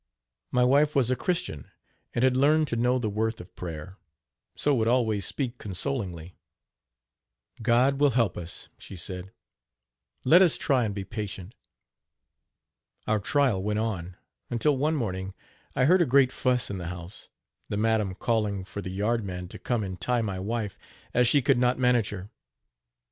My wife was a Christian, and had learned to know the worth of prayer, so would always speak consolingly. "God will help us," she said: "let us try and be patient." Our trial went on, until one morning I heard a great fuss in the house, the madam calling for the yard man to come and tie my wife, as she could not manage her.